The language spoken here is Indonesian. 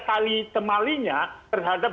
tali temalinya terhadap